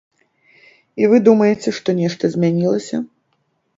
І вы думаеце, што нешта змянілася?